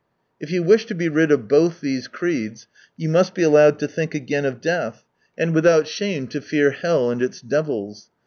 If you wish to be rid of both these creeds you must be allowed to think again of death, and without shame to fear hell and its devils.